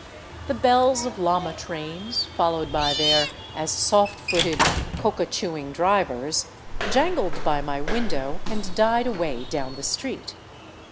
The bells of llama trains, followed by their as soft footed, coca chewing drivers, jangled by my window and died away down the street.